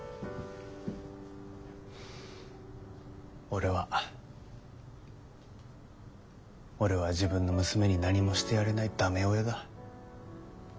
俺は俺は自分の娘に何もしてやれない駄目親だ。